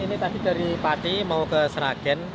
ini tadi dari pati mau ke seragen